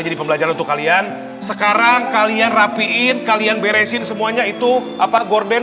jadi pembelajaran untuk kalian sekarang kalian rapiin kalian beresin semuanya itu apa gordon